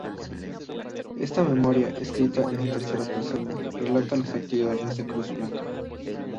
Esta memoria, escrita en tercera persona, relata las actividades de la Cruz Blanca.